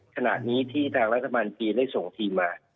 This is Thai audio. ขณะนี้ที่ทางรัฐบาลจีนได้ส่งทีมมา